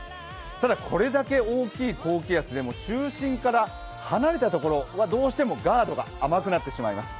ただこれだけ大きい高気圧でも中心から離れたところはどうしてもガードが甘くなってしまいます。